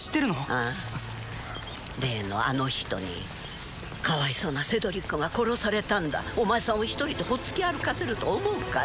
ああ例のあの人にかわいそうなセドリックが殺されたんだお前さんを１人でほっつき歩かせると思うかい？